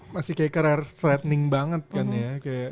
masih kayak rare threatening banget kan ya